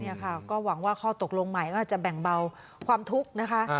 นี่ค่ะก็หวังว่าข้อตกลงใหม่ก็อาจจะแบ่งเบาความทุกข์นะคะ